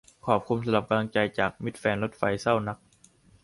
ขอบคุณสำหรับกำลังใจจากมิตรแฟนรถไฟ เศร้านัก